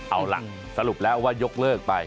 เอาล่ะสรุปแล้วว่ายกเลิกไป